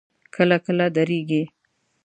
کله کله درېږي.